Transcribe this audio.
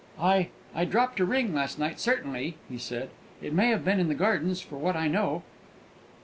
"I I dropped a ring last night, certainly," he said; "it may have been in the gardens, for what I know."